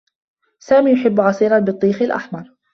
سامي يحبّ عصير البطّيخ الأحمر.